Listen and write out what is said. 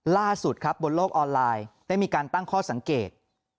ล่าสุดครับบนโลกออนไลน์ได้มีการตั้งข้อสังเกต